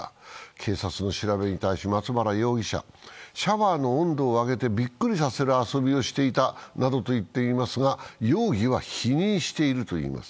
警察の調べに対し、松原容疑者はシャワーの温度を上げてびっくりさせる遊びをしていたなどと言っていますが容疑は否認しているといいます。